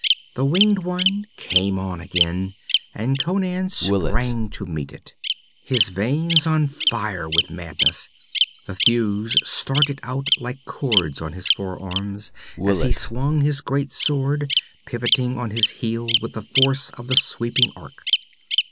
The winged one came on again, and Conan sprang to meet it, his veins on fire with madness. The thews started out like cords on his forearms as he swung his great sword, pivoting on his heel with the force of the sweeping arc.